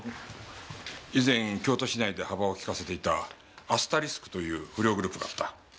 以前京都市内ではばをきかせていたアスタリスクという不良グループがあった。